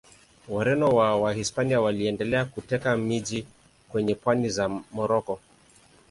Wareno wa Wahispania waliendelea kuteka miji kwenye pwani za Moroko.